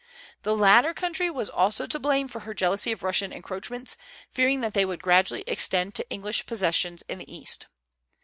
The latter country was also to blame for her jealousy of Russian encroachments, fearing that they would gradually extend to English possessions in the East.